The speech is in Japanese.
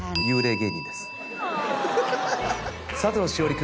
佐藤栞里